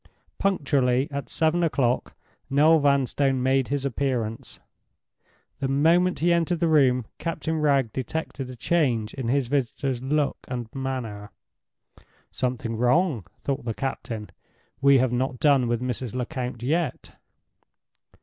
Punctually at seven o'clock Noel Vanstone made his appearance. The moment he entered the room Captain Wragge detected a change in his visitor's look and manner. "Something wrong!" thought the captain. "We have not done with Mrs. Lecount yet."